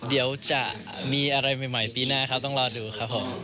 เดี๋ยวจะมีอะไรใหม่ปีหน้าครับต้องรอดูครับผม